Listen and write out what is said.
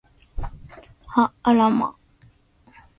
はあら、ま